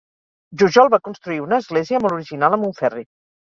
Jujol va construir una església molt original a Montferri.